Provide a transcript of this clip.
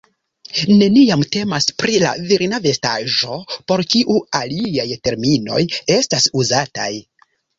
Neniam temas pri la virina vestaĵo, por kiu aliaj terminoj estas uzataj.